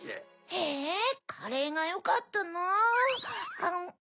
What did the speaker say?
えカレーがよかったな。